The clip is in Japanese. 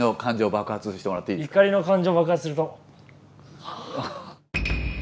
怒りの感情爆発すると。